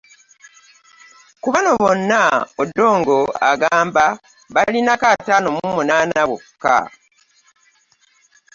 Ku bano bonna, Odongo agamba balinako ataano mu munaana bokka